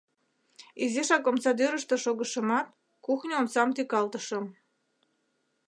Изишак омсадӱрыштӧ шогышымат, кухньо омсам тӱкалтышым.